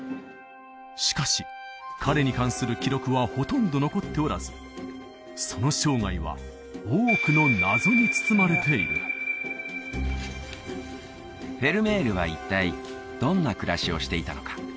しかし彼に関する記録はほとんど残っておらずその生涯は多くの謎に包まれているフェルメールは一体どんな暮らしをしていたのか？